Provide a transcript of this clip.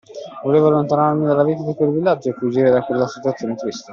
Volevo allontanarmi dalla vita di quel villaggio e fuggire da quella situazione triste.